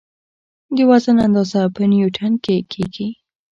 د وزن اندازه په نیوټن کې کېږي.